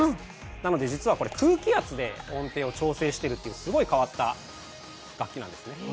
なので実は、空気圧で音程を調整しているというすごい変わった楽器なんですね。